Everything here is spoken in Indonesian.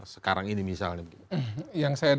sebeginn dengan kita h b